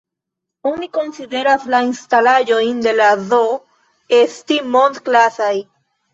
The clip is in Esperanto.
Oni konsideras la instalaĵojn de la zoo esti mond-klasaj.